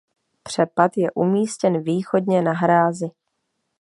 Přepad je umístěn východně na hrázi.